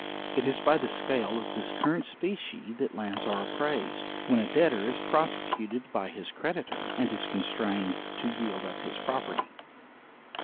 It is by the scale of this current specie that lands are appraised, when a debtor is prosecuted by his creditor, and is constrained to yield up his property.